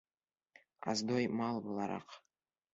Оздой мал булараҡ.